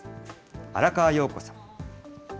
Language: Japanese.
荒川陽子さん。